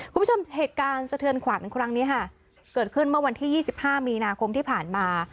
คุณผู้ชมเหตุการณ์สะเทือนขวานครั้งนี้ค่ะเกิดขึ้นเมื่อวันที่๒๕มีนาคมที่ผ่านมา